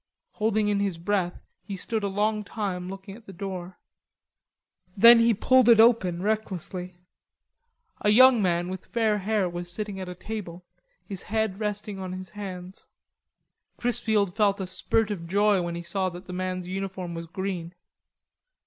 Holding in his breath he stood a long time looking at the door. Then he pulled it open recklessly. A young man with fair hair was sitting at a table, his head resting on his hands. Chrisfield felt a spurt of joy when he saw that the man's uniform was green.